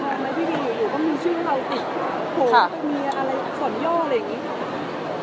แป้งหนิใช่ไหมพี่บีหรือว่ามีชื่อเลาติด